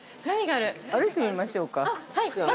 歩いてみましょうか、じゃあ。